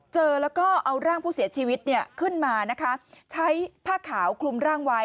เจอแล้วก็เอาร่างผู้เสียชีวิตขึ้นมานะคะใช้ผ้าขาวคลุมร่างไว้